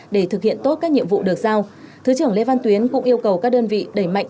để thực hiện tốt các nhiệm vụ được giao thứ trưởng lê văn tuyến cũng yêu cầu các đơn vị đẩy mạnh